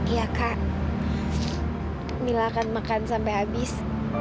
iya kak mila akan makan sampai habis